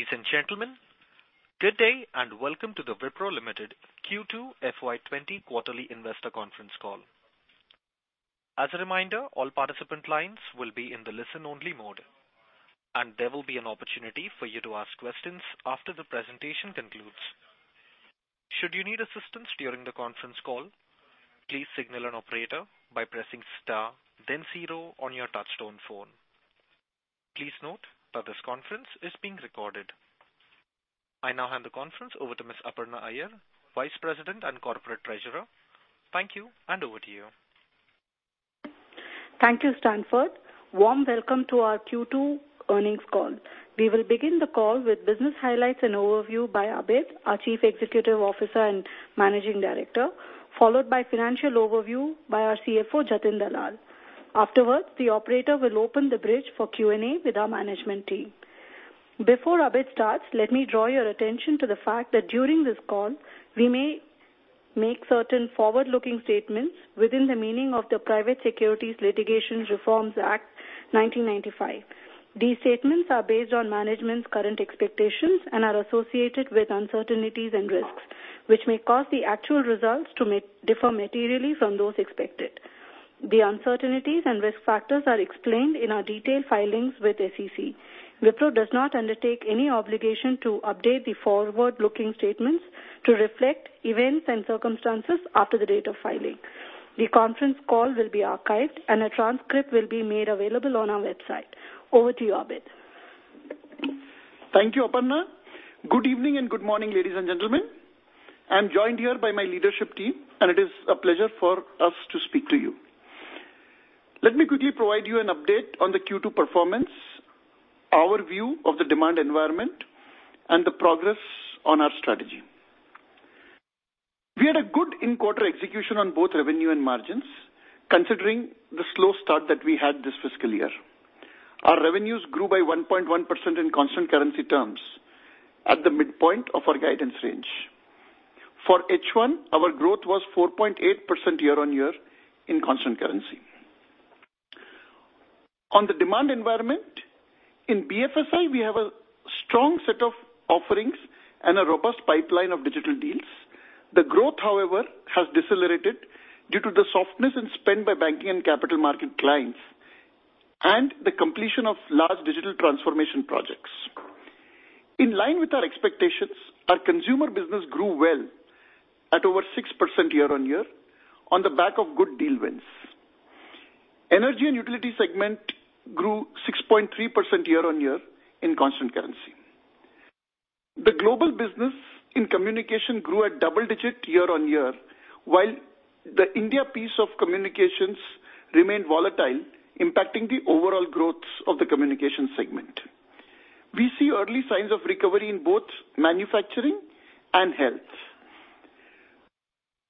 Ladies and gentlemen, good day and welcome to the Wipro Limited Q2 FY 2020 Quarterly Investor Conference call. As a reminder, all participant lines will be in the listen-only mode, and there will be an opportunity for you to ask questions after the presentation concludes. Should you need assistance during the conference call, please signal an operator by pressing star, then zero on your touch-tone phone. Please note that this conference is being recorded. I now hand the conference over to Ms. Aparna Iyer, Vice President and Corporate Treasurer. Thank you, and over to you. Thank you, Stanford. Warm welcome to our Q2 earnings call. We will begin the call with business highlights and overview by Abid, our Chief Executive Officer and Managing Director, followed by a financial overview by our CFO, Jatin Dalal. Afterwards, the operator will open the bridge for Q&A with our management team. Before Abid starts, let me draw your attention to the fact that during this call, we may make certain forward-looking statements within the meaning of the Private Securities Litigation Reform Act of 1995. These statements are based on management's current expectations and are associated with uncertainties and risks, which may cause the actual results to differ materially from those expected. The uncertainties and risk factors are explained in our detailed filings with SEC. Wipro does not undertake any obligation to update the forward-looking statements to reflect events and circumstances after the date of filing. The conference call will be archived, and a transcript will be made available on our website. Over to you, Abid. Thank you, Aparna. Good evening and good morning, ladies and gentlemen. I'm joined here by my leadership team, and it is a pleasure for us to speak to you. Let me quickly provide you an update on the Q2 performance, our view of the demand environment, and the progress on our strategy. We had a good in-quarter execution on both revenue and margins, considering the slow start that we had this fiscal year. Our revenues grew by 1.1% in constant currency terms at the midpoint of our guidance range. For H1, our growth was 4.8% year-on-year in constant currency. On the demand environment, in BFSI, we have a strong set of offerings and a robust pipeline of digital deals. The growth, however, has decelerated due to the softness in spend by banking and capital market clients and the completion of large digital transformation projects. In line with our expectations, our Consumer business grew well at over 6% year-on-year on the back of good deal wins. Energy and Utilities segment grew 6.3% year-on-year in constant currency. The global business in communication grew at double-digit year-on-year, while the India piece of communications remained volatile, impacting the overall growth of the Communications segment. We see early signs of recovery in both manufacturing and health.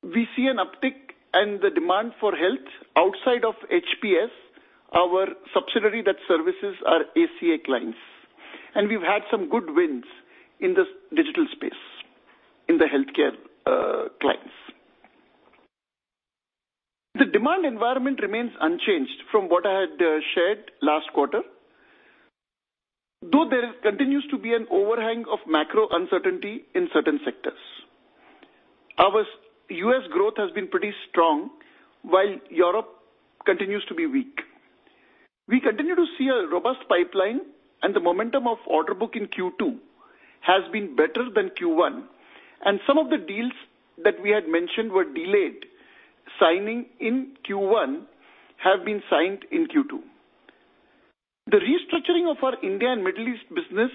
We see an uptick in the demand for health outside of HPS, our subsidiary that services our ACA clients, and we've had some good wins in the digital space in the healthcare clients. The demand environment remains unchanged from what I had shared last quarter, though there continues to be an overhang of macro uncertainty in certain sectors. Our U.S. growth has been pretty strong, while Europe continues to be weak. We continue to see a robust pipeline, and the momentum of order book in Q2 has been better than Q1. And some of the deals that we had mentioned were delayed. Signing in Q1 has been signed in Q2. The restructuring of our India and Middle East business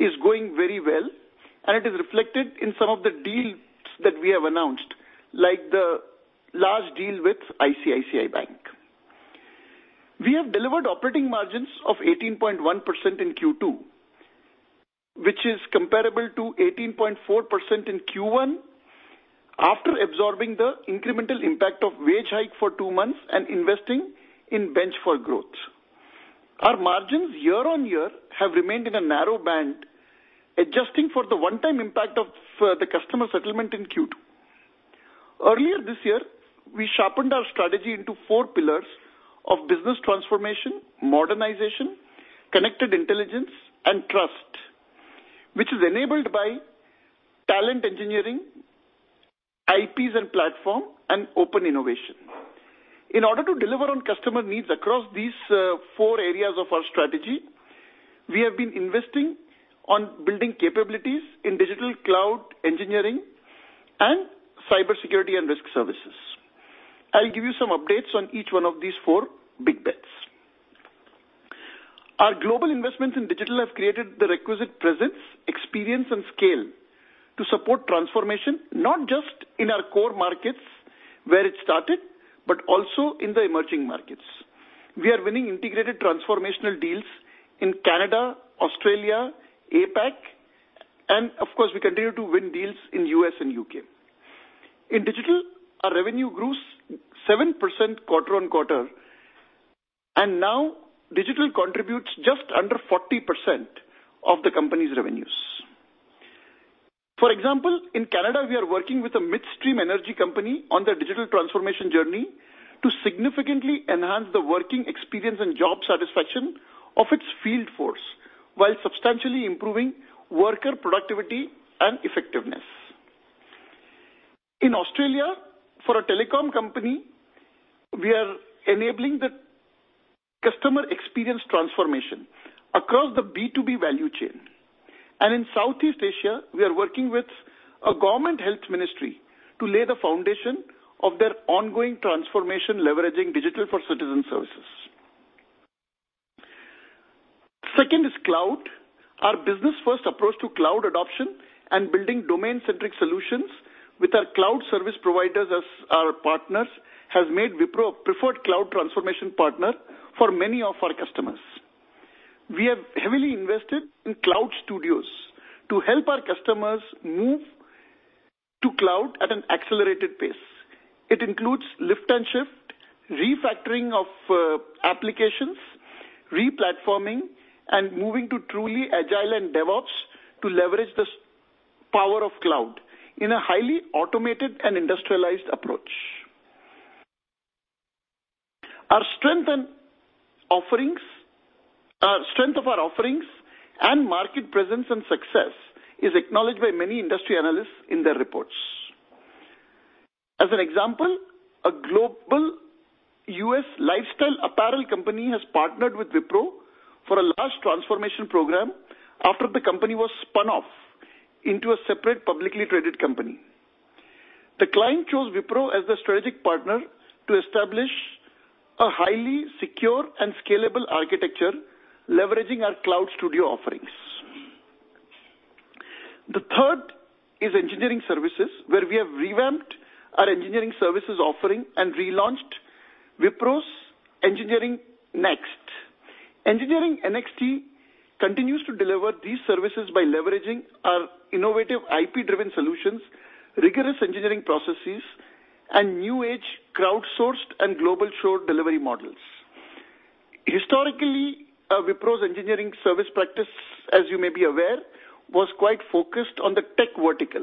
is going very well, and it is reflected in some of the deals that we have announced, like the large deal with ICICI Bank. We have delivered operating margins of 18.1% in Q2, which is comparable to 18.4% in Q1 after absorbing the incremental impact of wage hike for two months and investing in bench for growth. Our margins year-on-year have remained in a narrow band, adjusting for the one-time impact of the customer settlement in Q2. Earlier this year, we sharpened our strategy into four pillars of Business Transformation, Modernization, Connected Intelligence, and Trust, which is enabled by talent engineering, IPs and platform, and open innovation. In order to deliver on customer needs across these four areas of our strategy, we have been investing on building capabilities in digital cloud engineering and cybersecurity and risk services. I'll give you some updates on each one of these four big bets. Our global investments in digital have created the requisite presence, experience, and scale to support transformation, not just in our core markets where it started, but also in the emerging markets. We are winning integrated transformational deals in Canada, Australia, APAC, and of course, we continue to win deals in the U.S. and U.K. In digital, our revenue grew 7% quarter-on-quarter, and now digital contributes just under 40% of the company's revenues. For example, in Canada, we are working with a midstream energy company on the digital transformation journey to significantly enhance the working experience and job satisfaction of its field force while substantially improving worker productivity and effectiveness. In Australia, for a telecom company, we are enabling the customer experience transformation across the B2B value chain. And in Southeast Asia, we are working with a government health ministry to lay the foundation of their ongoing transformation leveraging digital for citizen services. Second is cloud. Our business-first approach to cloud adoption and building domain-centric solutions with our cloud service providers as our partners has made Wipro a preferred cloud transformation partner for many of our customers. We have heavily invested in cloud studios to help our customers move to cloud at an accelerated pace. It includes lift and shift, refactoring of applications, replatforming, and moving to truly Agile and DevOps to leverage the power of cloud in a highly automated and industrialized approach. Our strength of our offerings and market presence and success is acknowledged by many industry analysts in their reports. As an example, a global U.S. lifestyle apparel company has partnered with Wipro for a large transformation program after the company was spun off into a separate publicly traded company. The client chose Wipro as the strategic partner to establish a highly secure and scalable architecture leveraging our Cloud Studio offerings. The third is engineering services, where we have revamped our engineering services offering and relaunched Wipro's EngineeringNXT. EngineeringNXT continues to deliver these services by leveraging our innovative IP-driven solutions, rigorous engineering processes, and new-age crowdsourced and Global Shore delivery models. Historically, Wipro's engineering service practice, as you may be aware, was quite focused on the tech vertical.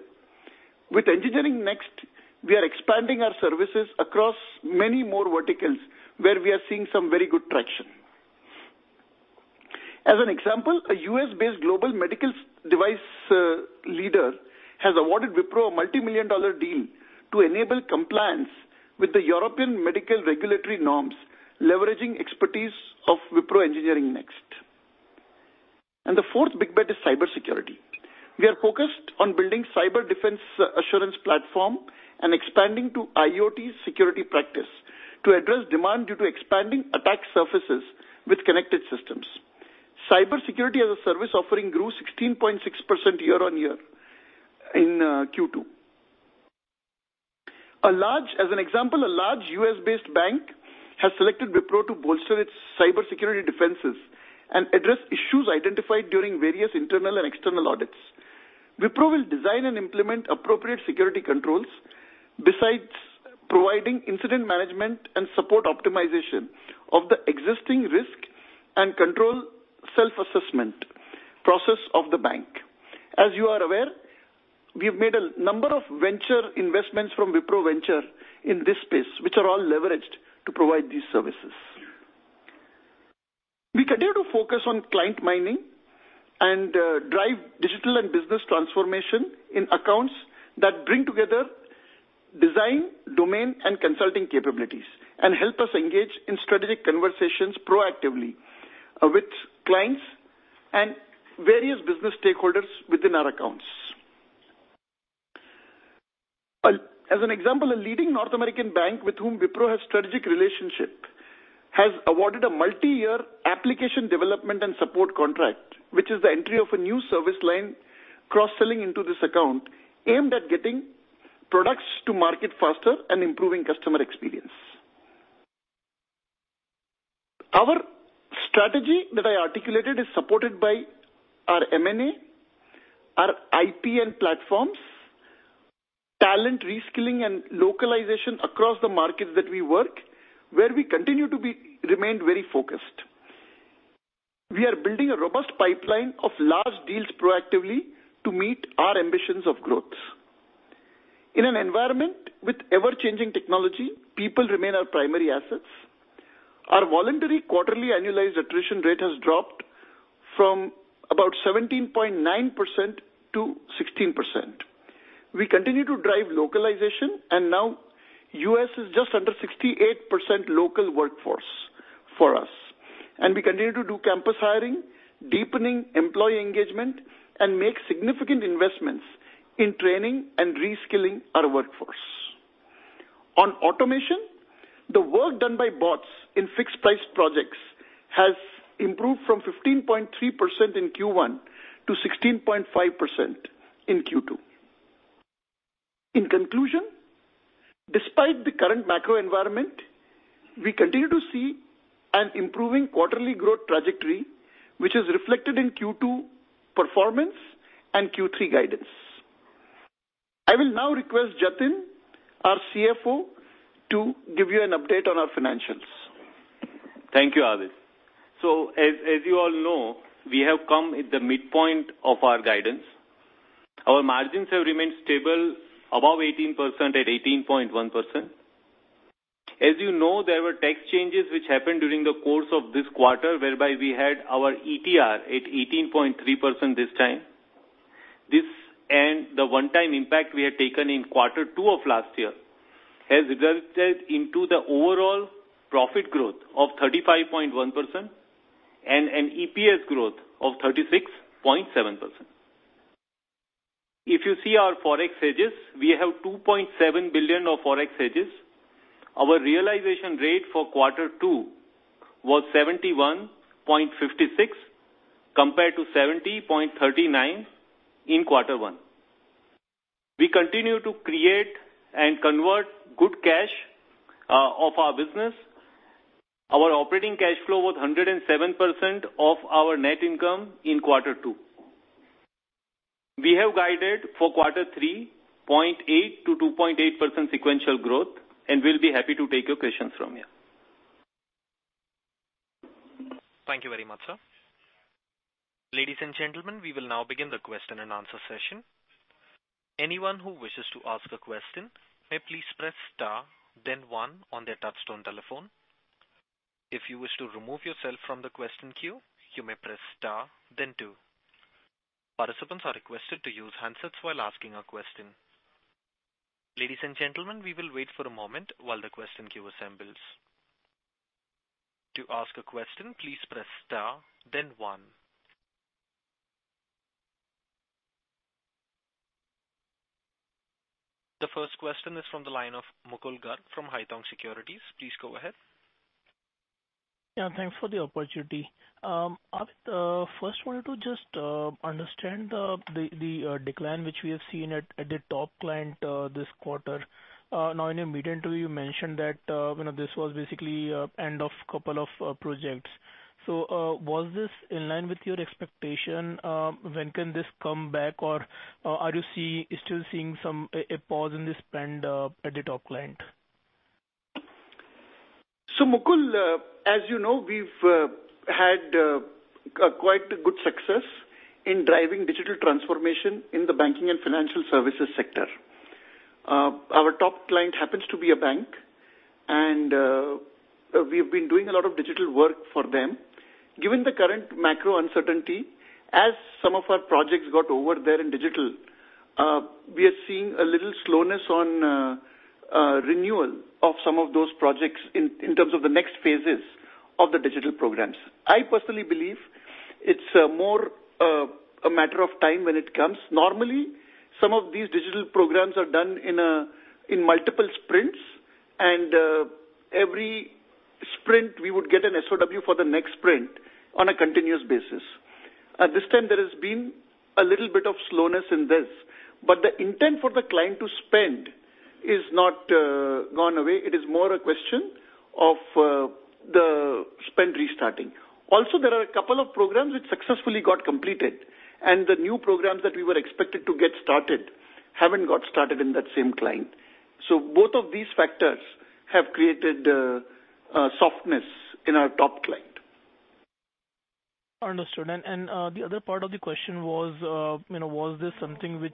With EngineeringNXT, we are expanding our services across many more verticals, where we are seeing some very good traction. As an example, a U.S.-based global medical device leader has awarded Wipro a multi-million-dollar deal to enable compliance with the European medical regulatory norms, leveraging expertise of Wipro EngineeringNXT. And the fourth big bet is cybersecurity. We are focused on building a Cyber Defense Assurance Platform and expanding to IoT security practice to address demand due to expanding attack surfaces with connected systems. Cybersecurity as a service offering grew 16.6% year-on-year in Q2. As an example, a large U.S.-based bank has selected Wipro to bolster its cybersecurity defenses and address issues identified during various internal and external audits. Wipro will design and implement appropriate security controls besides providing incident management and support optimization of the existing risk and control self-assessment process of the bank. As you are aware, we have made a number of venture investments from Wipro Ventures in this space, which are all leveraged to provide these services. We continue to focus on client mining and drive digital and business transformation in accounts that bring together design, domain, and consulting capabilities and help us engage in strategic conversations proactively with clients and various business stakeholders within our accounts. As an example, a leading North American bank with whom Wipro has a strategic relationship has awarded a multi-year application development and support contract, which is the entry of a new service line cross-selling into this account aimed at getting products to market faster and improving customer experience. Our strategy that I articulated is supported by our M&A, our IP and platforms, talent reskilling, and localization across the markets that we work, where we continue to remain very focused. We are building a robust pipeline of large deals proactively to meet our ambitions of growth. In an environment with ever-changing technology, people remain our primary assets. Our voluntary quarterly annualized attrition rate has dropped from about 17.9% to 16%. We continue to drive localization, and now U.S. is just under 68% local workforce for us, and we continue to do campus hiring, deepening employee engagement, and make significant investments in training and reskilling our workforce. On automation, the work done by bots in fixed-price projects has improved from 15.3% in Q1 to 16.5% in Q2. In conclusion, despite the current macro environment, we continue to see an improving quarterly growth trajectory, which is reflected in Q2 performance and Q3 guidance. I will now request Jatin, our CFO, to give you an update on our financials. Thank you, Abid. So as you all know, we have come at the midpoint of our guidance. Our margins have remained stable above 18% at 18.1%. As you know, there were tax changes which happened during the course of this quarter, whereby we had our ETR at 18.3% this time. This and the one-time impact we had taken in quarter two of last year has resulted into the overall profit growth of 35.1% and an EPS growth of 36.7%. If you see our Forex hedges, we have $2.7 billion of Forex hedges. Our realization rate for quarter two was 71.56 compared to 70.39 in quarter one. We continue to create and convert good cash of our business. Our operating cash flow was 107% of our net income in quarter two. We have guided for quarter three 0.8%-2.8% sequential growth, and we'll be happy to take your questions from here. Thank you very much, sir. Ladies and gentlemen, we will now begin the question and answer session. Anyone who wishes to ask a question may please press star, then one on their touch-tone telephone. If you wish to remove yourself from the question queue, you may press star, then two. Participants are requested to use handsets while asking a question. Ladies and gentlemen, we will wait for a moment while the question queue assembles. To ask a question, please press star, then one. The first question is from the line of Mukul Garg from Haitong Securities. Please go ahead. Yeah, thanks for the opportunity. Abid, first, I wanted to just understand the decline which we have seen at the top client this quarter. Now, in your media interview, you mentioned that this was basically the end of a couple of projects. So was this in line with your expectation? When can this come back, or are you still seeing a pause in this spend at the top client? So Mukul, as you know, we've had quite good success in driving digital transformation in the banking and financial services sector. Our top client happens to be a bank, and we have been doing a lot of digital work for them. Given the current macro uncertainty, as some of our projects got over there in digital, we are seeing a little slowness on renewal of some of those projects in terms of the next phases of the digital programs. I personally believe it's more a matter of time when it comes. Normally, some of these digital programs are done in multiple sprints, and every sprint, we would get an SOW for the next sprint on a continuous basis. At this time, there has been a little bit of slowness in this, but the intent for the client to spend is not gone away. It is more a question of the spend restarting. Also, there are a couple of programs which successfully got completed, and the new programs that we were expected to get started haven't got started in that same client. So both of these factors have created softness in our top client. Understood. And the other part of the question was, was this something which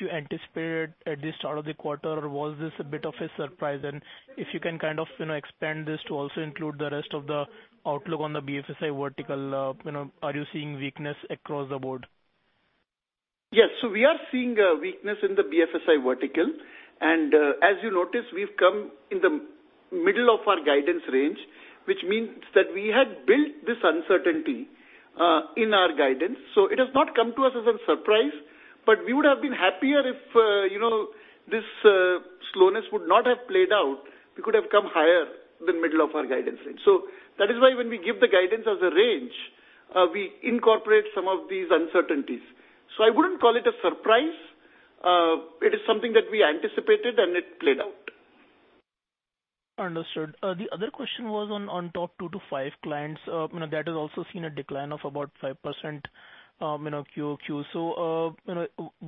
you anticipated at the start of the quarter, or was this a bit of a surprise? And if you can kind of expand this to also include the rest of the outlook on the BFSI vertical, are you seeing weakness across the board? Yes. So we are seeing weakness in the BFSI vertical. And as you notice, we've come in the middle of our guidance range, which means that we had built this uncertainty in our guidance. So it has not come to us as a surprise, but we would have been happier if this slowness would not have played out. We could have come higher than the middle of our guidance range. So that is why when we give the guidance as a range, we incorporate some of these uncertainties. So I wouldn't call it a surprise. It is something that we anticipated, and it played out. Understood. The other question was on top two to five clients that are also seeing a decline of about 5% QoQ. So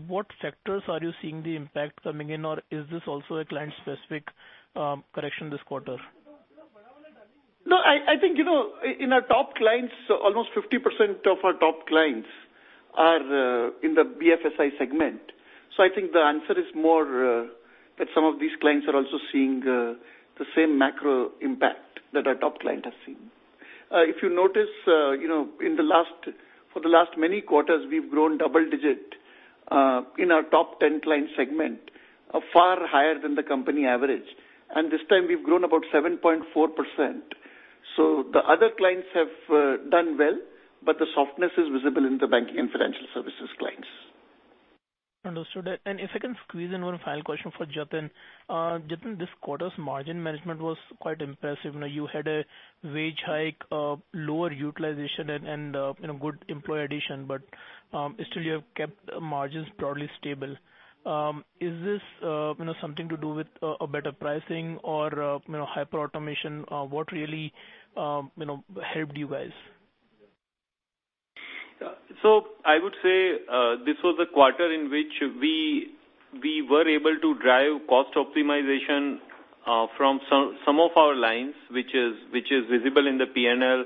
what factors are you seeing the impact coming in, or is this also a client-specific correction this quarter? No. I think in our top clients, almost 50% of our top clients are in the BFSI segment. So I think the answer is more that some of these clients are also seeing the same macro impact that our top client has seen. If you notice, for the last many quarters, we've grown double-digit in our top 10 client segment, far higher than the company average. And this time, we've grown about 7.4%. So the other clients have done well, but the softness is visible in the banking and financial services clients. Understood, and if I can squeeze in one final question for Jatin. Jatin, this quarter's margin management was quite impressive. You had a wage hike, lower utilization, and good employee addition, but still, you have kept margins probably stable. Is this something to do with better pricing or hyper-automation? What really helped you guys? So I would say this was a quarter in which we were able to drive cost optimization from some of our lines, which is visible in the P&L.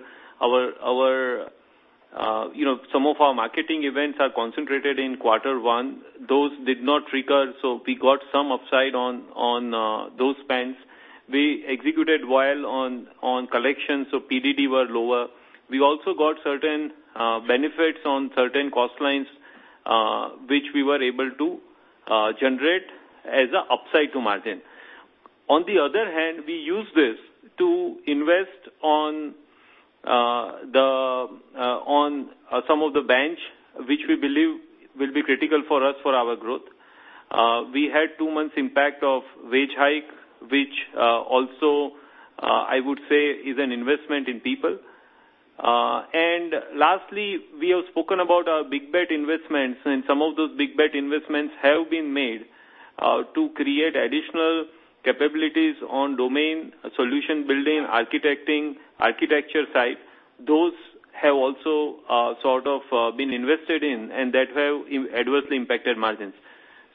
Some of our marketing events are concentrated in quarter one. Those did not recur, so we got some upside on those spends. We executed well on collections, so PDD were lower. We also got certain benefits on certain cost lines, which we were able to generate as an upside to margin. On the other hand, we used this to invest on some of the bench, which we believe will be critical for us for our growth. We had two-month impact of wage hike, which also, I would say, is an investment in people. And lastly, we have spoken about our big bet investments, and some of those big bet investments have been made to create additional capabilities on domain solution building, architecting architecture side. Those have also sort of been invested in, and that have adversely impacted margins.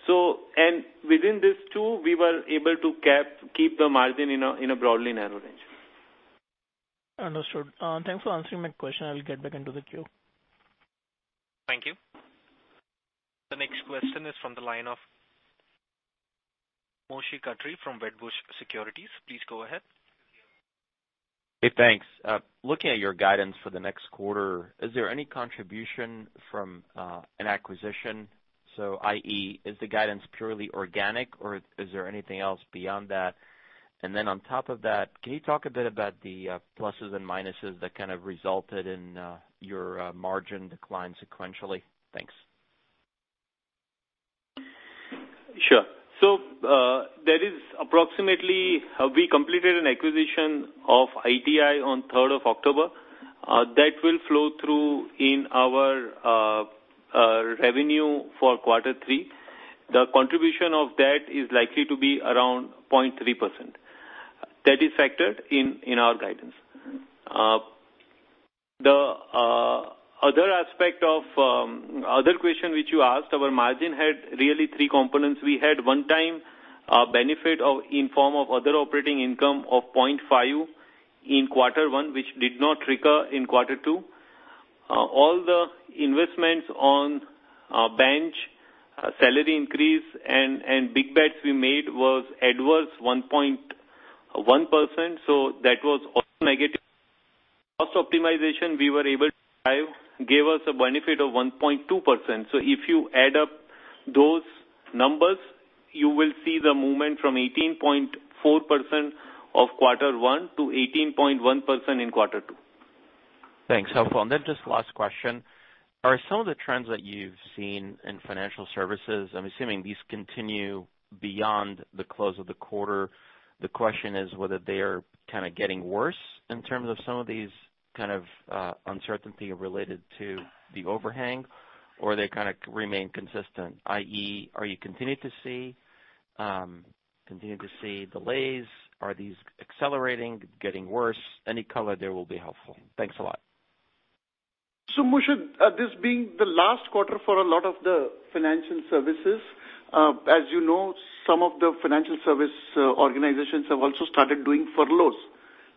And within these two, we were able to keep the margin in a broadly narrow range. Understood. Thanks for answering my question. I'll get back into the queue. Thank you. The next question is from the line of Moshe Katri from Wedbush Securities. Please go ahead. Hey, thanks. Looking at your guidance for the next quarter, is there any contribution from an acquisition? So i.e., is the guidance purely organic, or is there anything else beyond that? And then on top of that, can you talk a bit about the pluses and minuses that kind of resulted in your margin decline sequentially? Thanks. Sure. So there is approximately we completed an acquisition of ITI on 3rd of October. That will flow through in our revenue for quarter three. The contribution of that is likely to be around 0.3%. That is factored in our guidance. The other aspect of other question which you asked, our margin had really three components. We had one-time benefit in form of other operating income of 0.5% in quarter one, which did not recur in quarter two. All the investments on bench, salary increase, and big bets we made was adverse 1.1%. So that was also negative. Cost optimization we were able to drive gave us a benefit of 1.2%. So if you add up those numbers, you will see the movement from 18.4% of quarter one to 18.1% in quarter two. Thanks, and then just last question. Are some of the trends that you've seen in financial services (I'm assuming these continue beyond the close of the quarter), the question is whether they are kind of getting worse in terms of some of these kind of uncertainty related to the overhang, or they kind of remain consistent? i.e., are you continuing to see delays? Are these accelerating, getting worse? Any color there will be helpful. Thanks a lot. So Moshe, this being the last quarter for a lot of the financial services, as you know, some of the financial service organizations have also started doing furloughs,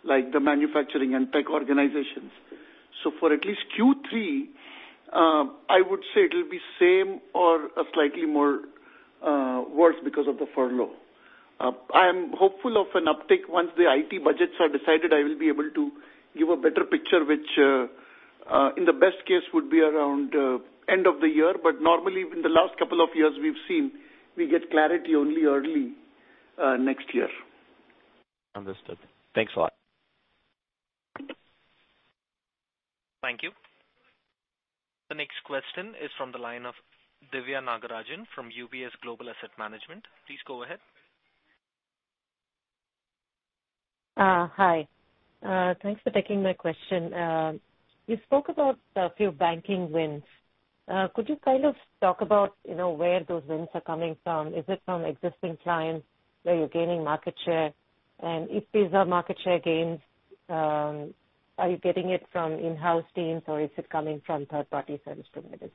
like the manufacturing and tech organizations. So for at least Q3, I would say it will be same or slightly more worse because of the furlough. I am hopeful of an uptick once the IT budgets are decided. I will be able to give a better picture, which in the best case would be around end of the year. But normally, in the last couple of years, we've seen we get clarity only early next year. Understood. Thanks a lot. Thank you. The next question is from the line of Diviya Nagarajan from UBS Global Asset Management. Please go ahead. Hi. Thanks for taking my question. You spoke about a few banking wins. Could you kind of talk about where those wins are coming from? Is it from existing clients where you're gaining market share? And if these are market share gains, are you getting it from in-house teams, or is it coming from third-party service providers?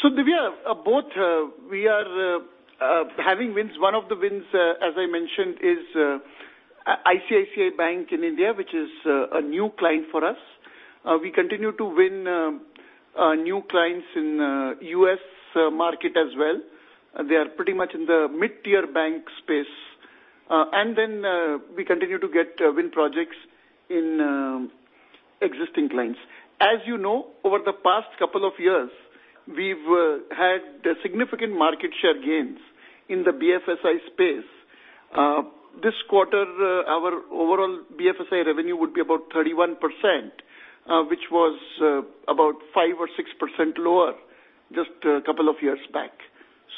So Diviya, both. We are having wins. One of the wins, as I mentioned, is ICICI Bank in India, which is a new client for us. We continue to win new clients in the U.S. market as well. They are pretty much in the mid-tier bank space. And then we continue to get win projects in existing clients. As you know, over the past couple of years, we've had significant market share gains in the BFSI space. This quarter, our overall BFSI revenue would be about 31%, which was about five or six% lower just a couple of years back.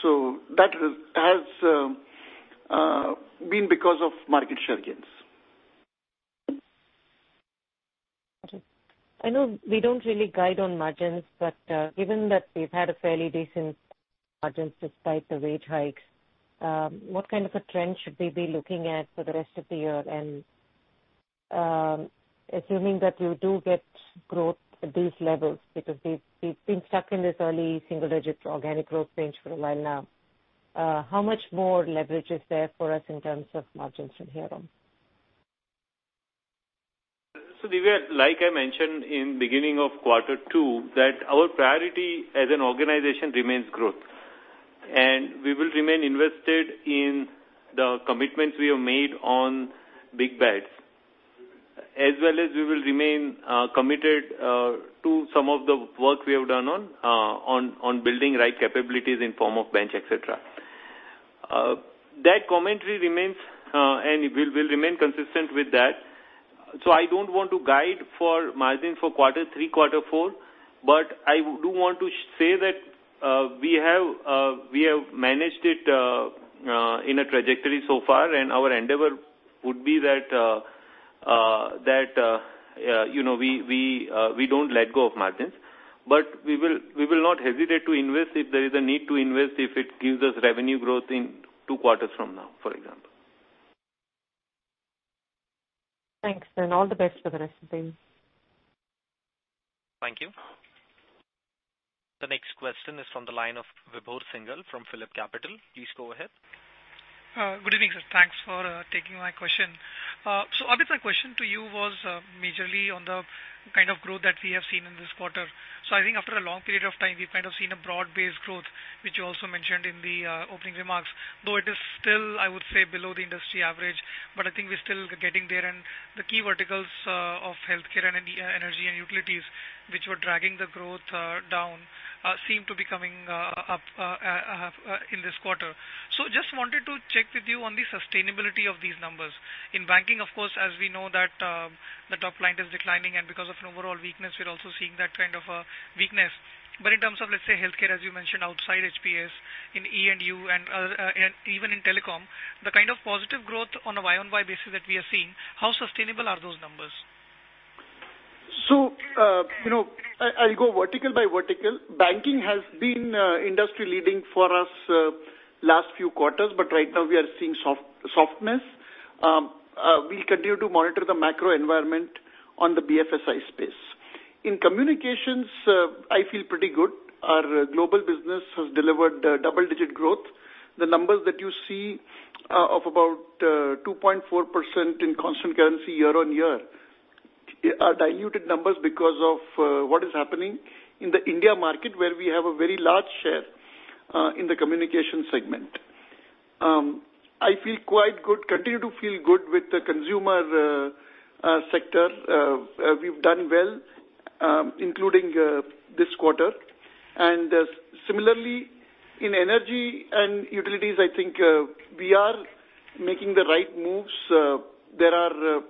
So that has been because of market share gains. I know we don't really guide on margins, but given that we've had a fairly decent margins despite the wage hikes, what kind of a trend should we be looking at for the rest of the year? And assuming that you do get growth at these levels because we've been stuck in this early single-digit organic growth range for a while now, how much more leverage is there for us in terms of margins from here on? So Diviya, like I mentioned in the beginning of quarter two, that our priority as an organization remains growth. And we will remain invested in the commitments we have made on big bets, as well as we will remain committed to some of the work we have done on building right capabilities in form of bench, etc. That commentary remains and we will remain consistent with that. So I don't want to guide for margin for quarter three, quarter four, but I do want to say that we have managed it in a trajectory so far, and our endeavor would be that we don't let go of margins. But we will not hesitate to invest if there is a need to invest, if it gives us revenue growth in two quarters from now, for example. Thanks. All the best for the rest of the day. Thank you. The next question is from the line of Vibhor Singhal from Phillip Capital. Please go ahead. Good evening, sir. Thanks for taking my question so obviously, my question to you was majorly on the kind of growth that we have seen in this quarter so I think after a long period of time, we've kind of seen a broad-based growth, which you also mentioned in the opening remarks. Though it is still, I would say, below the industry average, but I think we're still getting there and the key verticals of healthcare and energy and utilities, which were dragging the growth down, seem to be coming up in this quarter so just wanted to check with you on the sustainability of these numbers. In banking, of course, as we know that the top line is declining, and because of an overall weakness, we're also seeing that kind of weakness. But in terms of, let's say, healthcare, as you mentioned, outside HPS, in E&U, and even in telecom, the kind of positive growth on a Y-on-Y basis that we are seeing, how sustainable are those numbers? I'll go vertical by vertical. Banking has been industry-leading for us last few quarters, but right now, we are seeing softness. We continue to monitor the macro environment on the BFSI space. In Communications, I feel pretty good. Our global business has delivered double-digit growth. The numbers that you see of about 2.4% in constant currency year on year are diluted numbers because of what is happening in the India market, where we have a very large share in the Communications segment. I feel quite good, continue to feel good with the consumer sector. We've done well, including this quarter, and similarly, in Energy and Utilities, I think we are making the right moves. There are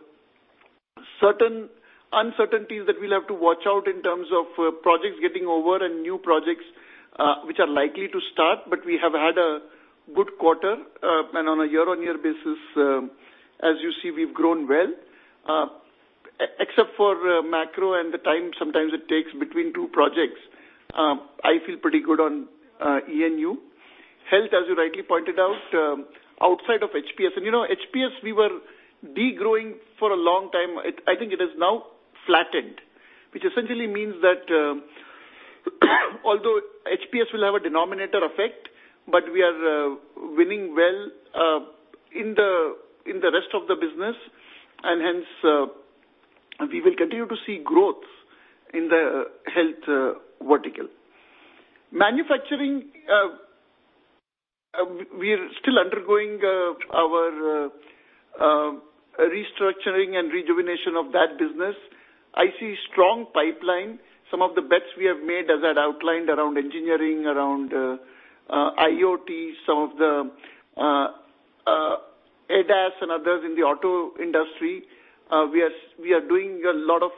certain uncertainties that we'll have to watch out in terms of projects getting over and new projects which are likely to start, but we have had a good quarter. On a year-on-year basis, as you see, we've grown well, except for macro and the time sometimes it takes between two projects. I feel pretty good on E&U. Health, as you rightly pointed out, outside of HPS. HPS, we were degrowing for a long time. I think it has now flattened, which essentially means that although HPS will have a denominator effect, but we are winning well in the rest of the business, and hence, we will continue to see growth in the health vertical. Manufacturing, we're still undergoing our restructuring and rejuvenation of that business. I see strong pipeline. Some of the bets we have made as I outlined around engineering, around IoT, some of the ADAS and others in the auto industry. We are doing a lot of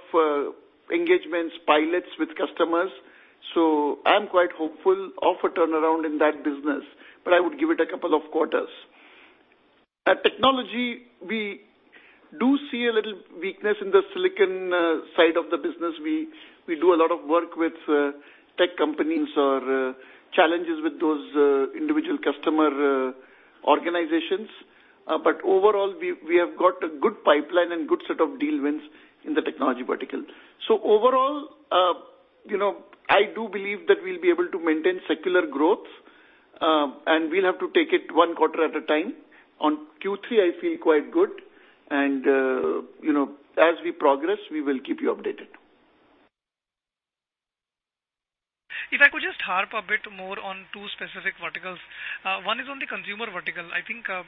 engagements, pilots with customers. I'm quite hopeful of a turnaround in that business, but I would give it a couple of quarters. Technology, we do see a little weakness in the silicon side of the business. We do a lot of work with tech companies or challenges with those individual customer organizations. Overall, we have got a good pipeline and good set of deal wins in the technology vertical. Overall, I do believe that we'll be able to maintain secular growth, and we'll have to take it one quarter at a time. On Q3, I feel quite good. As we progress, we will keep you updated. If I could just harp a bit more on two specific verticals. One is on the consumer vertical. I think as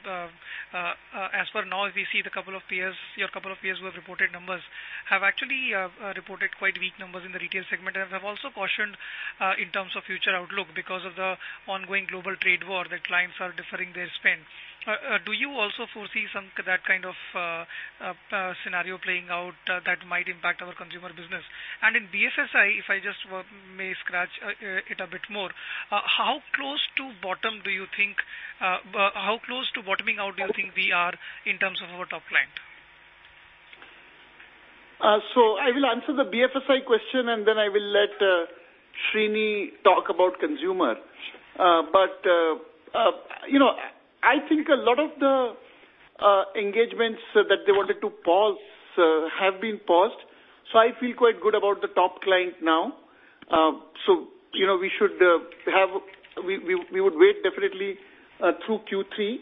of now, as we see a couple of your peers who have reported numbers have actually reported quite weak numbers in the retail segment and have also cautioned in terms of future outlook because of the ongoing global trade war that clients are deferring their spend. Do you also foresee some of that kind of scenario playing out that might impact our consumer business? In BFSI, if I just may scratch it a bit more, how close to bottoming out do you think we are in terms of our top client? So I will answer the BFSI question, and then I will let Srini talk about consumer. But I think a lot of the engagements that they wanted to pause have been paused. So I feel quite good about the top client now. We would wait definitely through Q3,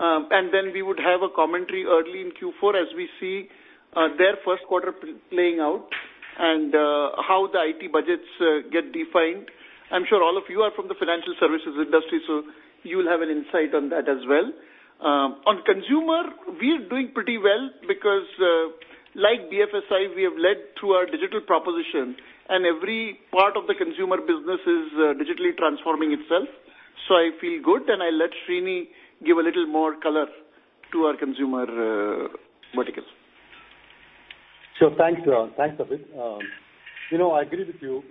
and then we would have a commentary early in Q4 as we see their first quarter playing out and how the IT budgets get defined. I'm sure all of you are from the financial services industry, so you'll have an insight on that as well. On Consumer, we're doing pretty well because, like BFSI, we have led through our digital proposition, and every part of the Consumer business is digitally transforming itself. So I feel good, and I'll let Srini give a little more color to our consumer verticals. Sure. Thanks, Vibhor. Thanks, Abid. I agree with you,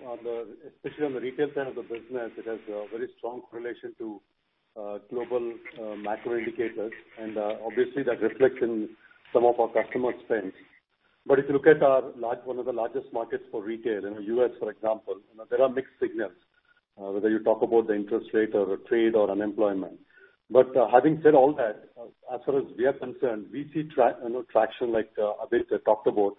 especially on the retail side of the business. It has a very strong correlation to global macro indicators, and obviously, that reflects in some of our customer spend. But if you look at one of the largest markets for retail in the U.S., for example, there are mixed signals, whether you talk about the interest rate or trade or unemployment. But having said all that, as far as we are concerned, we see traction, like Abid talked about,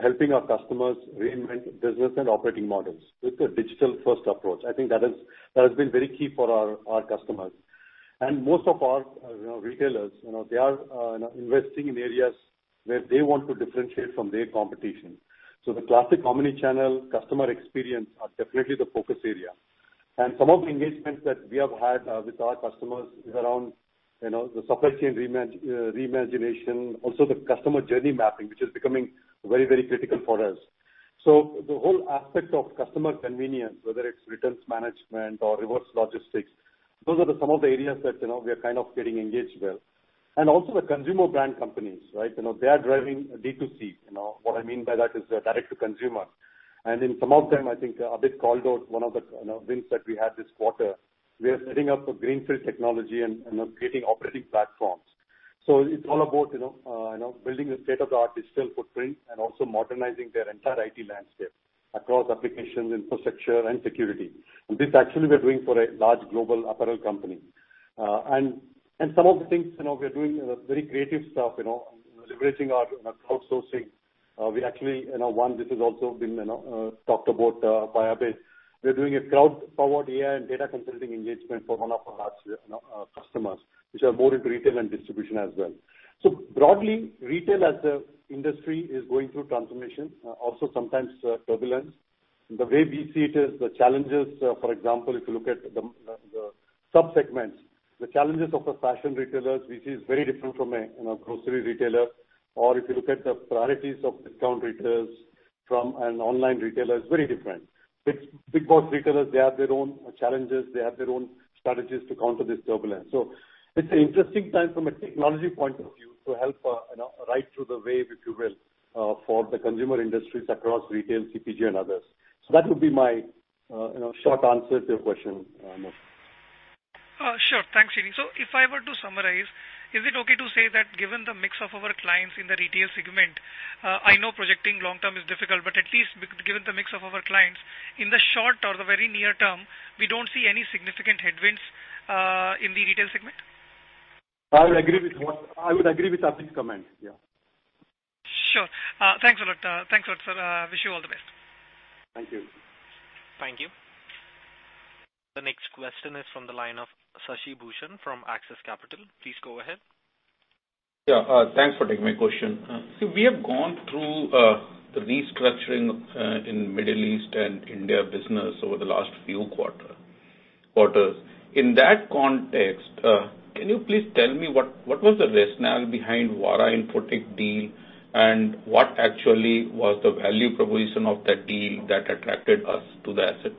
helping our customers reinvent business and operating models with a digital-first approach. I think that has been very key for our customers. And most of our retailers, they are investing in areas where they want to differentiate from their competition. So the classic omnichannel customer experience are definitely the focus area. And some of the engagements that we have had with our customers is around the supply chain reimagination, also the customer journey mapping, which is becoming very, very critical for us. So the whole aspect of customer convenience, whether it's returns management or reverse logistics, those are some of the areas that we are kind of getting engaged with. And also the consumer brand companies, right? They are driving D2C. What I mean by that is direct-to-consumer. And in some of them, I think Abid called out one of the wins that we had this quarter. We are setting up a greenfield technology and creating operating platforms. So it's all about building a state-of-the-art digital footprint and also modernizing their entire IT landscape across applications, infrastructure, and security. And this actually we're doing for a large global apparel company. Some of the things we're doing, very creative stuff, leveraging our crowdsourcing. We actually won, this has also been talked about by Abid. We're doing a crowd-powered AI and data consulting engagement for one of our large customers, which are more into retail and distribution as well. Broadly, retail as an industry is going through transformation, also sometimes turbulence. The way we see it is the challenges, for example, if you look at the subsegments, the challenges of a fashion retailer's vision is very different from a grocery retailer. Or if you look at the priorities of discount retailers from an online retailer, it's very different. Big box retailers, they have their own challenges. They have their own strategies to counter this turbulence. So it's an interesting time from a technology point of view to help ride through the wave, if you will, for the consumer industries across retail, CPG, and others. So that would be my short answer to your question. Sure. Thanks, Srini. So if I were to summarize, is it okay to say that given the mix of our clients in the retail segment, I know projecting long-term is difficult, but at least given the mix of our clients, in the short or the very near term, we don't see any significant headwinds in the Retail segment? I would agree with Abid's comment, yeah. Sure. Thanks a lot. Thanks a lot, sir. I wish you all the best. Thank you. Thank you. The next question is from the line of Shashi Bhushan from Axis Capital. Please go ahead. Yeah. Thanks for taking my question. So we have gone through the restructuring in Middle East and India business over the last few quarters. In that context, can you please tell me what was the rationale behind Wipro Infotech deal and what actually was the value proposition of that deal that attracted us to the asset?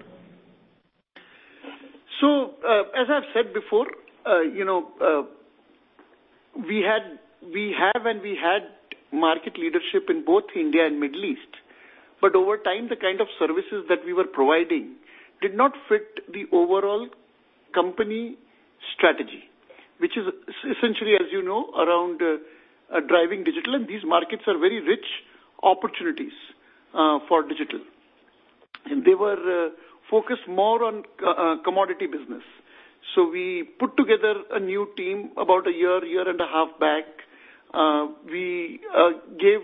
So as I've said before, we have and we had market leadership in both India and Middle East. But over time, the kind of services that we were providing did not fit the overall company strategy, which is essentially, as you know, around driving digital. And these markets are very rich opportunities for digital. And they were focused more on commodity business. So we put together a new team about a year, year and a half back. We gave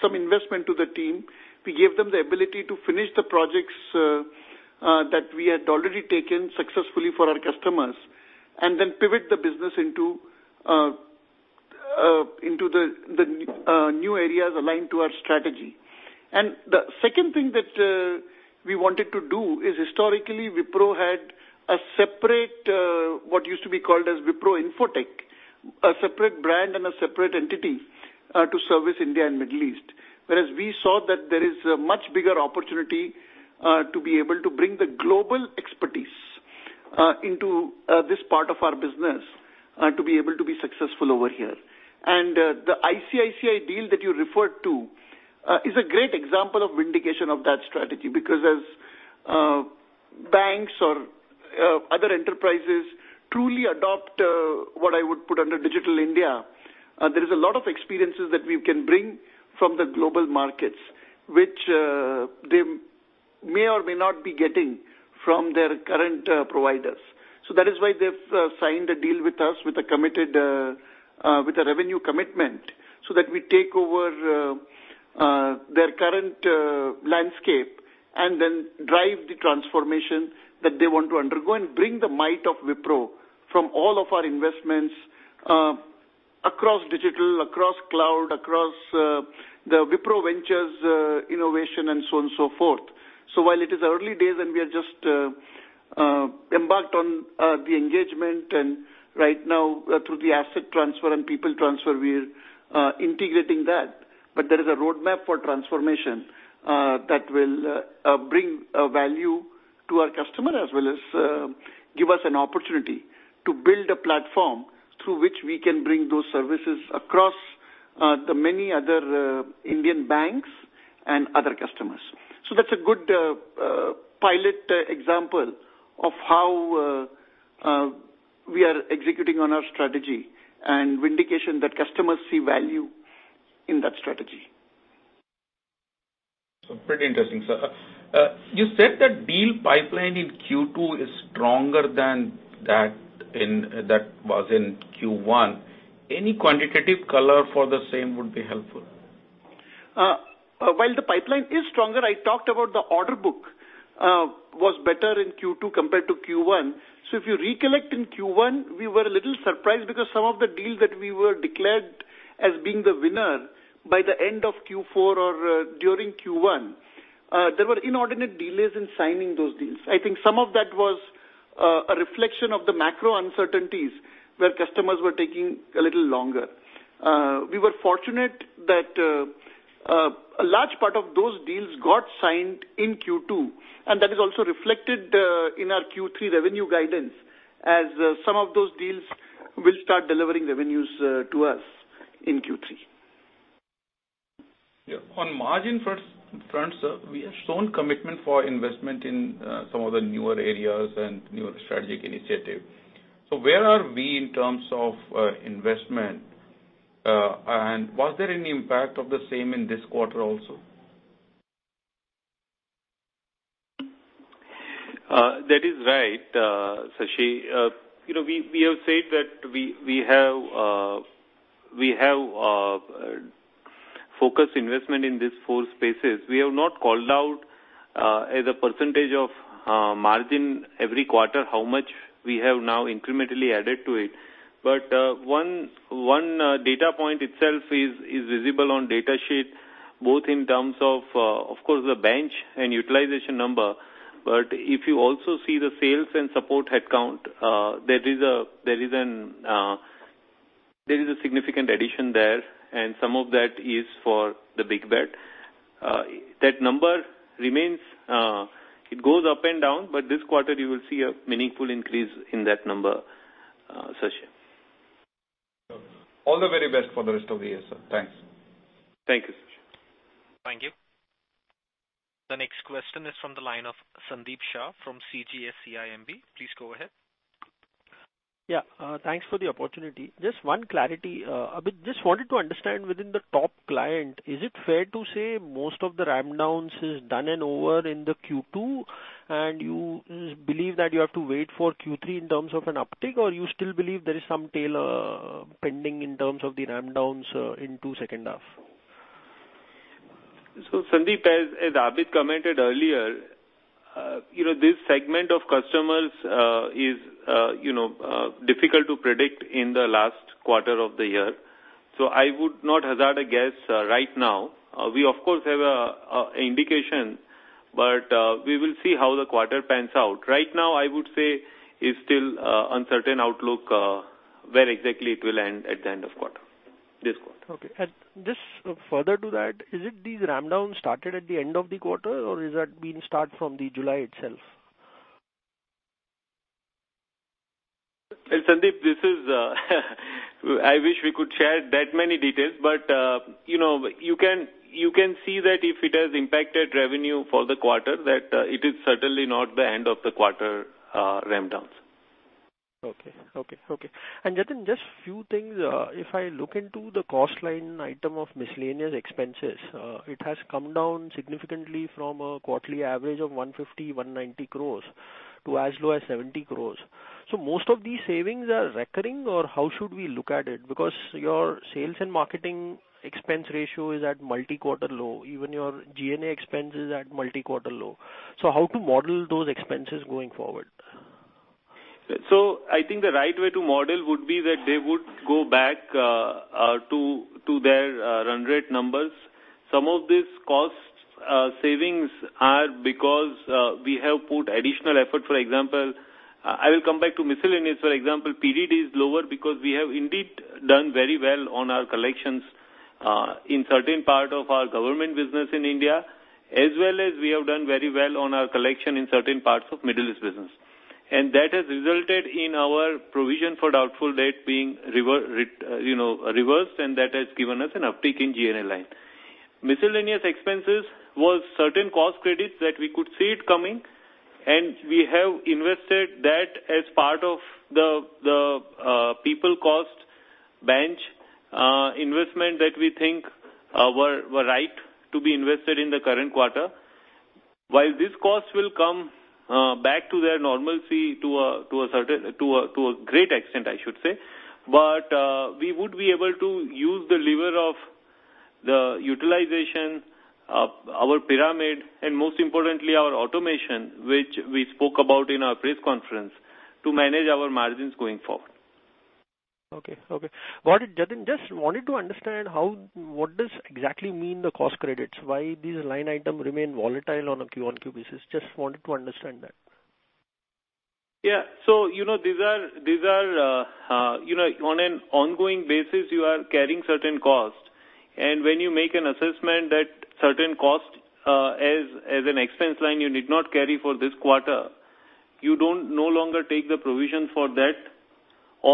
some investment to the team. We gave them the ability to finish the projects that we had already taken successfully for our customers and then pivot the business into the new areas aligned to our strategy. And the second thing that we wanted to do is, historically, Wipro had a separate what used to be called as Wipro Infotech, a separate brand and a separate entity to service India and Middle East. Whereas we saw that there is a much bigger opportunity to be able to bring the global expertise into this part of our business to be able to be successful over here. And the ICICI deal that you referred to is a great example of vindication of that strategy because as banks or other enterprises truly adopt what I would put under Digital India, there is a lot of experiences that we can bring from the global markets, which they may or may not be getting from their current providers. So that is why they've signed a deal with us with a revenue commitment so that we take over their current landscape and then drive the transformation that they want to undergo and bring the might of Wipro from all of our investments across digital, across cloud, across the Wipro Ventures innovation, and so on and so forth. So while it is early days and we are just embarked on the engagement, and right now, through the asset transfer and people transfer, we're integrating that. But there is a roadmap for transformation that will bring value to our customer as well as give us an opportunity to build a platform through which we can bring those services across the many other Indian banks and other customers. So that's a good pilot example of how we are executing on our strategy and vindication that customers see value in that strategy. So pretty interesting, sir. You said that deal pipeline in Q2 is stronger than that was in Q1. Any quantitative color for the same would be helpful. While the pipeline is stronger, I talked about the order book was better in Q2 compared to Q1. So if you recollect in Q1, we were a little surprised because some of the deals that we were declared as being the winner by the end of Q4 or during Q1, there were inordinate delays in signing those deals. I think some of that was a reflection of the macro uncertainties where customers were taking a little longer. We were fortunate that a large part of those deals got signed in Q2, and that is also reflected in our Q3 revenue guidance as some of those deals will start delivering revenues to us in Q3. Yeah. On margin front, sir, we have shown commitment for investment in some of the newer areas and newer strategic initiatives. So where are we in terms of investment? And was there any impact of the same in this quarter also? That is right, Shashi. We have said that we have focused investment in these four spaces. We have not called out as a percentage of margin every quarter how much we have now incrementally added to it. But one data point itself is visible on data sheet, both in terms of, of course, the bench and utilization number. But if you also see the sales and support headcount, there is a significant addition there, and some of that is for the big bet. That number remains. It goes up and down, but this quarter, you will see a meaningful increase in that number, Shashi. All the very best for the rest of the year, sir. Thanks. Thank you, Shashi. Thank you. The next question is from the line of Sandeep Shah from CGS-CIMB. Please go ahead. Yeah. Thanks for the opportunity. Just one clarity. Abid, just wanted to understand within the top client, is it fair to say most of the rundowns is done and over in the Q2, and you believe that you have to wait for Q3 in terms of an uptick, or you still believe there is some tail pending in terms of the rundowns into second half? So Sandeep, as Abid commented earlier, this segment of customers is difficult to predict in the last quarter of the year. So I would not hazard a guess right now. We, of course, have an indication, but we will see how the quarter pans out. Right now, I would say it's still an uncertain outlook where exactly it will end at the end of this quarter. Okay. And just further to that, is it these rundowns started at the end of the quarter, or has that been start from the July itself? Sandeep, I wish we could share that many details, but you can see that if it has impacted revenue for the quarter, that it is certainly not the end of the quarter rundowns. Okay. And just a few things. If I look into the cost line item of miscellaneous expenses, it has come down significantly from a quarterly average of 150 crores-190 crores to as low as 70 crores. So most of these savings are recurring, or how should we look at it? Because your sales and marketing expense ratio is at multi-quarter low. Even your G&A expense is at multi-quarter low. So how to model those expenses going forward? So I think the right way to model would be that they would go back to their run rate numbers. Some of these cost savings are because we have put additional effort. For example, I will come back to miscellaneous. For example, PDD is lower because we have indeed done very well on our collections in certain parts of our government business in India, as well as we have done very well on our collections in certain parts of Middle East business. And that has resulted in our provision for doubtful debts being reversed, and that has given us an uptick in G&A line. Miscellaneous expenses was certain cost credits that we could see it coming, and we have invested that as part of the people cost bench investment that we think were right to be invested in the current quarter. While these costs will come back to their normalcy to a great extent, I should say, but we would be able to use the lever of the utilization, our pyramid, and most importantly, our automation, which we spoke about in our press conference, to manage our margins going forward. Okay. Okay. Just wanted to understand what does exactly mean the cost credits? Why these line items remain volatile on a Q1, Q2 basis? Just wanted to understand that. Yeah. So these are on an ongoing basis, you are carrying certain costs. And when you make an assessment that certain cost as an expense line you did not carry for this quarter, you don't no longer take the provision for that,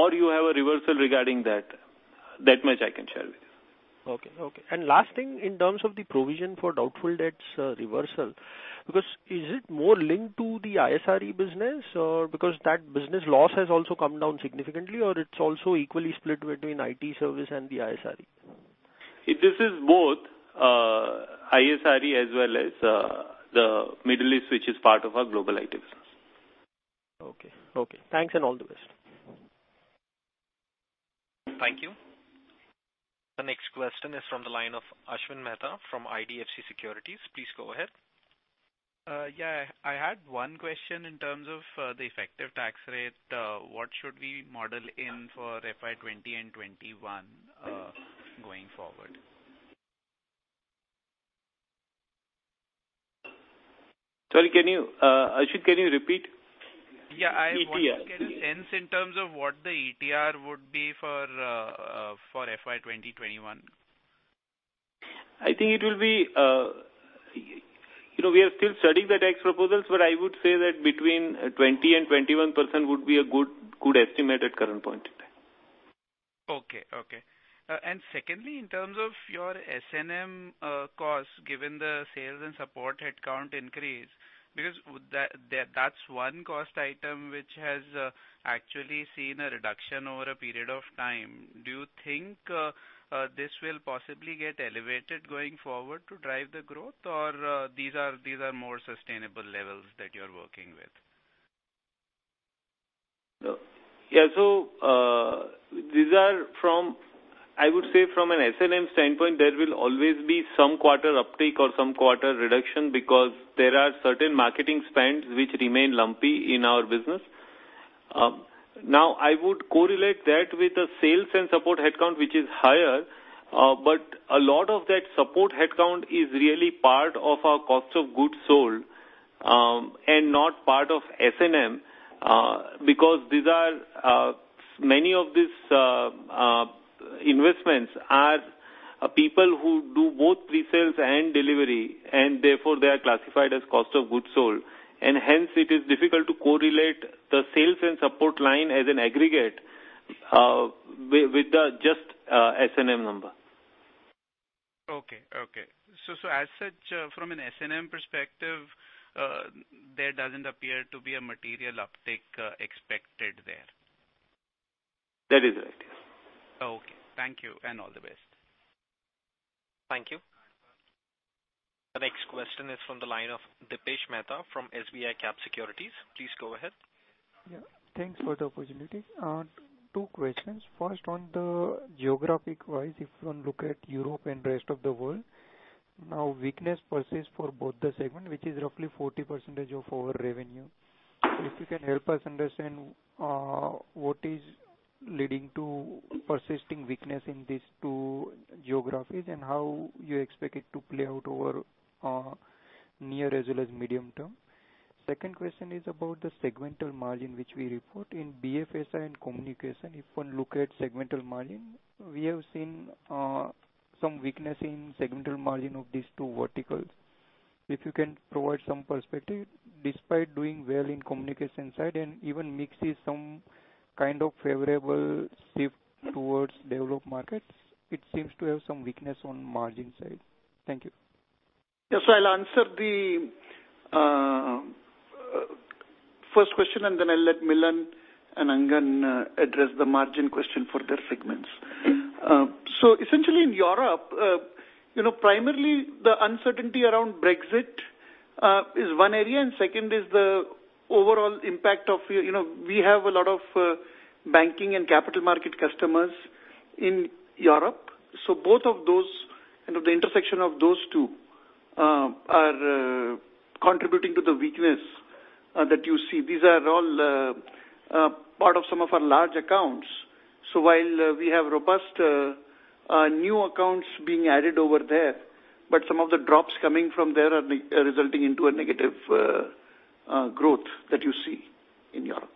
or you have a reversal regarding that. That much I can share with you. Okay. Okay. And last thing, in terms of the provision for doubtful debts reversal, because is it more linked to the ISRE business, or because that business loss has also come down significantly, or it's also equally split between IT service and the ISRE? This is both ISRE as well as the Middle East, which is part of our global IT business. Okay. Okay. Thanks and all the best. Thank you. The next question is from the line of Ashwin Mehta from IDFC Securities. Please go ahead. Yeah. I had one question in terms of the effective tax rate. What should we model in for FY 2020 and 2021 going forward? Sorry, Ashwin, can you repeat? Yeah. I was asking in terms of what the ETR would be for FY 2021. I think it will be. We are still studying the tax proposals, but I would say that between 20% and 21% would be a good estimate at current point in time. Okay. Okay. And secondly, in terms of your S&M cost, given the sales and support headcount increase, because that's one cost item which has actually seen a reduction over a period of time, do you think this will possibly get elevated going forward to drive the growth, or these are more sustainable levels that you're working with? Yeah. So these are, I would say, from an S&M standpoint, there will always be some quarter uptick or some quarter reduction because there are certain marketing spends which remain lumpy in our business. Now, I would correlate that with the sales and support headcount, which is higher, but a lot of that support headcount is really part of our Cost of Goods Sold and not part of S&M because many of these investments are people who do both presales and delivery, and therefore, they are classified as Cost of Goods Sold, and hence, it is difficult to correlate the sales and support line as an aggregate with just S&M number. Okay. So as such, from an S&M perspective, there doesn't appear to be a material uptick expected there. That is right. Yes. Okay. Thank you and all the best. Thank you. The next question is from the line of Dipesh Mehta from SBICAP Securities. Please go ahead. Yeah. Thanks for the opportunity. Two questions. First, on the geographic-wise, if we look at Europe and rest of the world, now weakness persists for both the segment, which is roughly 40% of our revenue. So if you can help us understand what is leading to persisting weakness in these two geographies and how you expect it to play out over near as well as medium term? Second question is about the segmental margin which we report in BFSI and Communications. If we look at segmental margin, we have seen some weakness in segmental margin of these two verticals. If you can provide some perspective, despite doing well in Communications side and even mixing some kind of favorable shift towards developed markets, it seems to have some weakness on margin side. Thank you. Yes. So I'll answer the first question, and then I'll let Milan Rao and Angan Guha address the margin question for their segments. So essentially, in Europe, primarily, the uncertainty around Brexit is one area, and second is the overall impact of we have a lot of banking and capital market customers in Europe. So both of those and the intersection of those two are contributing to the weakness that you see. These are all part of some of our large accounts. So while we have robust new accounts being added over there, but some of the drops coming from there are resulting into a negative growth that you see in Europe.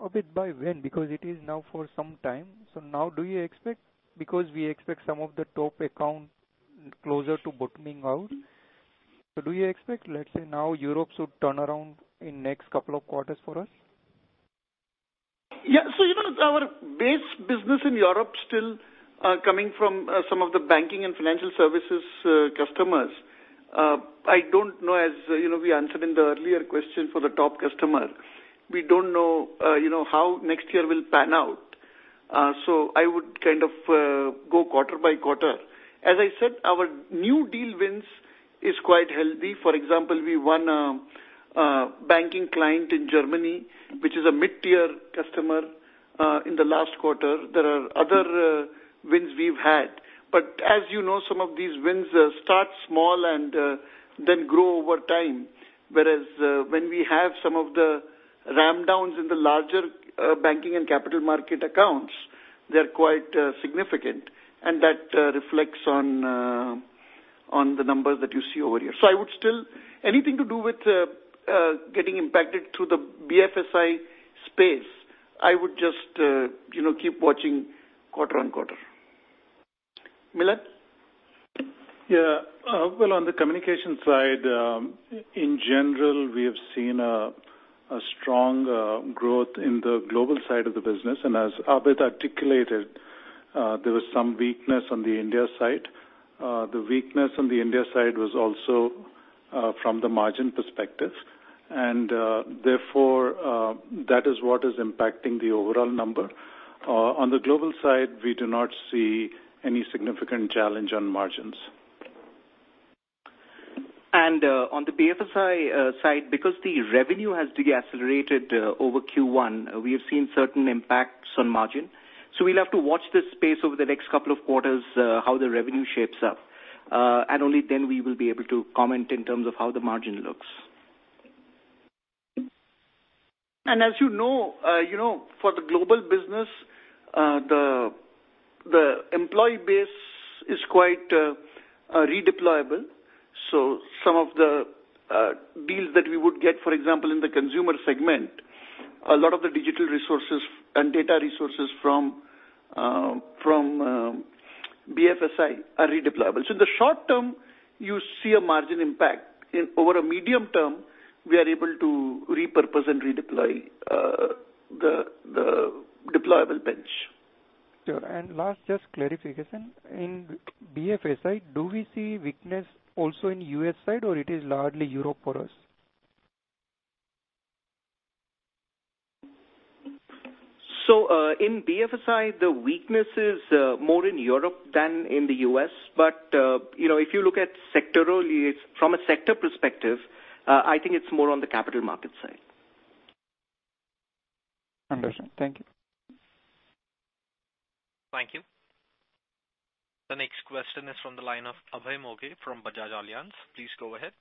Abid, by when, because it is now for some time. So now, do you expect because we expect some of the top account closer to bottoming out, do you expect, let's say, now Europe should turn around in the next couple of quarters for us? Yeah, so our base business in Europe is still coming from some of the banking and financial services customers. I don't know, as we answered in the earlier question for the top customer, we don't know how next year will pan out, so I would kind of go quarter by quarter. As I said, our new deal wins are quite healthy. For example, we won a banking client in Germany, which is a mid-tier customer in the last quarter. There are other wins we've had. But as you know, some of these wins start small and then grow over time, whereas when we have some of the rundowns in the larger banking and capital market accounts, they are quite significant, and that reflects on the numbers that you see over here. So I would still say anything to do with getting impacted in the BFSI space, I would just keep watching quarter on quarter. Milan? Yeah, well, on the communication side, in general, we have seen a strong growth in the global side of the business, and as Abid articulated, there was some weakness on the India side. The weakness on the India side was also from the margin perspective, and therefore, that is what is impacting the overall number. On the global side, we do not see any significant challenge on margins. On the BFSI side, because the revenue has decelerated over Q1, we have seen certain impacts on margin. We'll have to watch this space over the next couple of quarters, how the revenue shapes up. Only then will we be able to comment in terms of how the margin looks. As you know, for the global business, the employee base is quite redeployable. Some of the deals that we would get, for example, in the consumer segment, a lot of the digital resources and data resources from BFSI are redeployable. In the short term, you see a margin impact. Over a medium term, we are able to repurpose and redeploy the deployable bench. Sure. And last, just clarification. In BFSI, do we see weakness also in U.S. side, or it is largely Europe for us? So in BFSI, the weakness is more in Europe than in the U.S. But if you look at sectorally, from a sector perspective, I think it's more on the capital market side. Understood. Thank you. Thank you. The next question is from the line of Abhay Moghe from Bajaj Allianz. Please go ahead.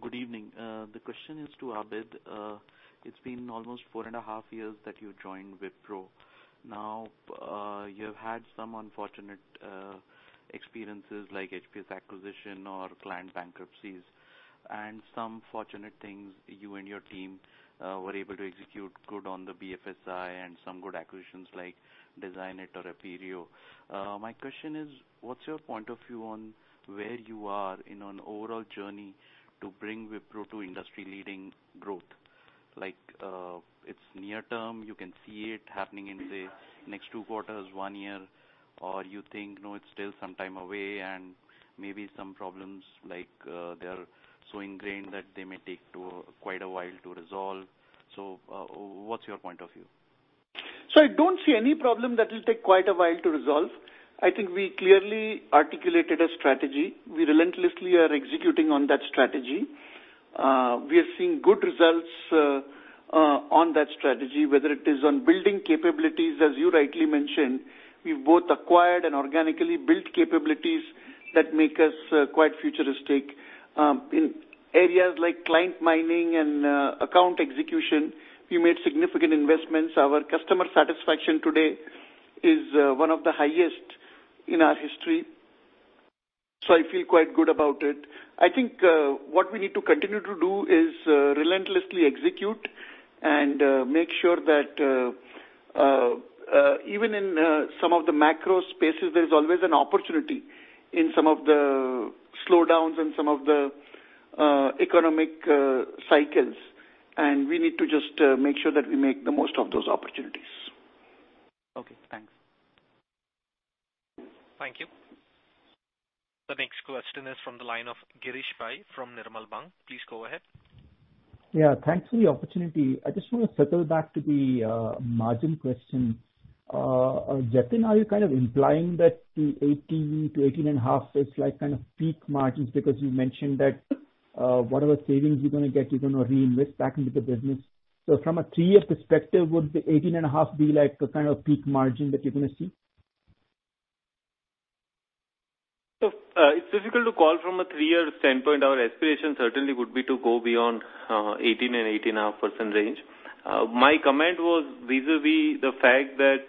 Good evening. The question is to Abid. It's been almost four and a half years that you joined Wipro. Now, you have had some unfortunate experiences like HPS acquisition or client bankruptcies, and some fortunate things you and your team were able to execute good on the BFSI and some good acquisitions like Designit or Appirio. My question is, what's your point of view on where you are in an overall journey to bring Wipro to industry-leading growth? It's near term. You can see it happening in the next two quarters, one year, or you think, no, it's still some time away, and maybe some problems like they are so ingrained that they may take quite a while to resolve. So what's your point of view? So I don't see any problem that will take quite a while to resolve. I think we clearly articulated a strategy. We relentlessly are executing on that strategy. We are seeing good results on that strategy, whether it is on building capabilities, as you rightly mentioned. We've both acquired and organically built capabilities that make us quite futuristic. In areas like client mining and account execution, we made significant investments. Our customer satisfaction today is one of the highest in our history. So I feel quite good about it. I think what we need to continue to do is relentlessly execute and make sure that even in some of the macro spaces, there is always an opportunity in some of the slowdowns and some of the economic cycles. And we need to just make sure that we make the most of those opportunities. Okay. Thanks. Thank you. The next question is from the line of Girish Pai from Nirmal Bang. Please go ahead. Yeah. Thanks for the opportunity. I just want to circle back to the margin question. Jatin, are you kind of implying that the 18%-18.5% is kind of peak margins because you mentioned that whatever savings you're going to get, you're going to reinvest back into the business? So from a three-year perspective, would the 18.5% be kind of a peak margin that you're going to see? It's difficult to call from a three-year standpoint. Our aspiration certainly would be to go beyond 18%-18.5% range. My comment was vis-à-vis the fact that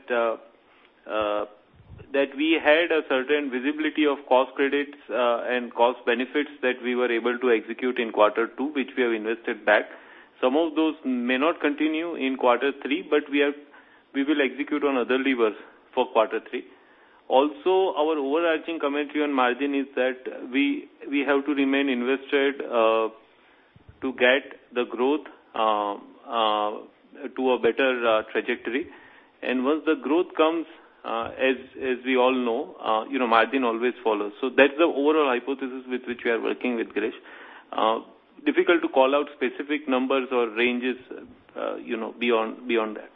we had a certain visibility of cost credits and cost benefits that we were able to execute in quarter two, which we have invested back. Some of those may not continue in quarter three, but we will execute on other levers for quarter three. Also, our overarching commentary on margin is that we have to remain invested to get the growth to a better trajectory. And once the growth comes, as we all know, margin always follows. That's the overall hypothesis with which we are working with Girish. It's difficult to call out specific numbers or ranges beyond that.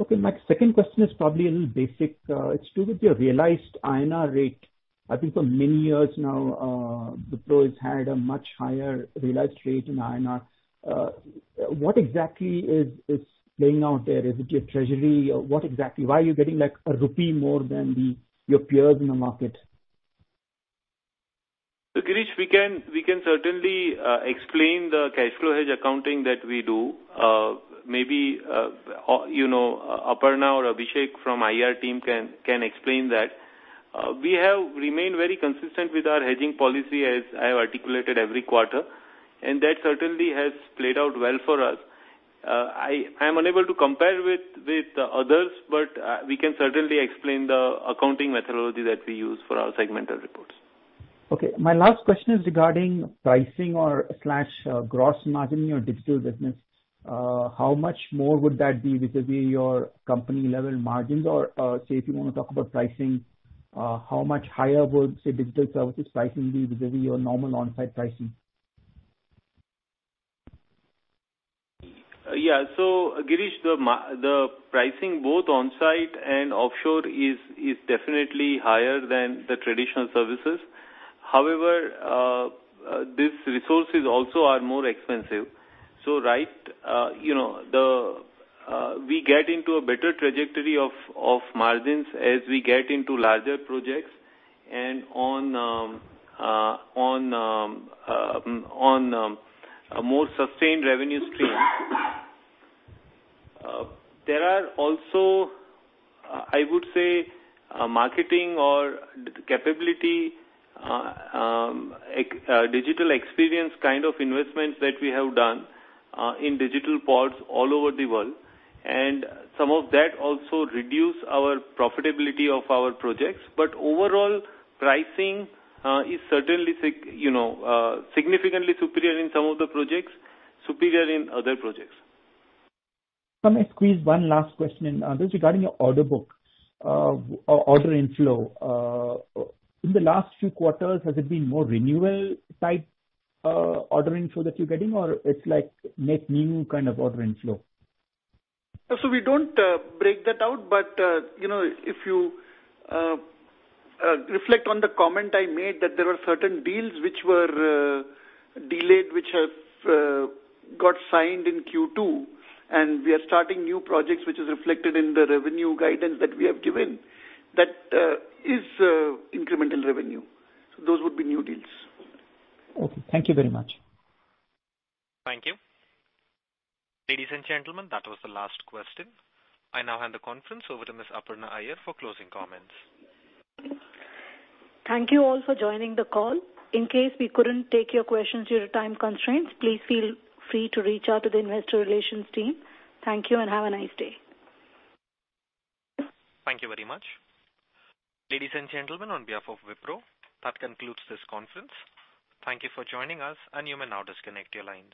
Okay. My second question is probably a little basic. It's to do with the realized INR rate. I think for many years now, Wipro has had a much higher realized rate in INR. What exactly is playing out there? Is it your treasury? Why are you getting a rupee more than your peers in the market? So Girish, we can certainly explain the cash flow hedge accounting that we do. Maybe Aparna or Abhishek from IR team can explain that. We have remained very consistent with our hedging policy, as I have articulated every quarter, and that certainly has played out well for us. I am unable to compare with others, but we can certainly explain the accounting methodology that we use for our segmental reports. Okay. My last question is regarding pricing or gross margin in your digital business. How much more would that be vis-à-vis your company-level margins? Or say, if you want to talk about pricing, how much higher would, say, digital services pricing be vis-à-vis your normal onsite pricing? Yeah. So Girish, the pricing both onsite and offshore is definitely higher than the traditional services. However, these resources also are more expensive. So right, we get into a better trajectory of margins as we get into larger projects and on a more sustained revenue stream. There are also, I would say, marketing or capability, digital experience kind of investments that we have done in digital partners all over the world. And some of that also reduces our profitability of our projects. But overall, pricing is certainly significantly superior in some of the projects, superior in other projects. Can I squeeze one last question in this regarding your order book or order inflow? In the last few quarters, has it been more renewal-type order inflow that you're getting, or it's like net new kind of order inflow? So we don't break that out. But if you reflect on the comment I made, that there were certain deals which were delayed, which have got signed in Q2, and we are starting new projects, which is reflected in the revenue guidance that we have given, that is incremental revenue. So those would be new deals. Okay. Thank you very much. Thank you. Ladies and gentlemen, that was the last question. I now hand the conference over to Ms. Aparna Iyer for closing comments. Thank you all for joining the call. In case we couldn't take your questions due to time constraints, please feel free to reach out to the investor relations team. Thank you and have a nice day. Thank you very much. Ladies and gentlemen, on behalf of Wipro, that concludes this conference. Thank you for joining us, and you may now disconnect your lines.